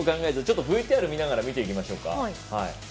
ちょっとＶＴＲ見ながら見ていきましょうか。